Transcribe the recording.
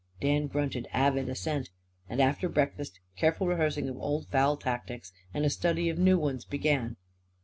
Dan grunted avid assent. And after breakfast careful rehearsing of old foul tactics and a study of new ones began.